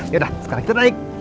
ya sekarang kita naik